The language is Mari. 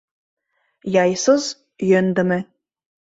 Яйсыз — йӧндымӧ.